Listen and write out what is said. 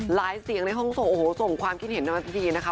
หลายเสียงในห้องส่งโอ้โหส่งความคิดเห็นนับพิธีนะคะ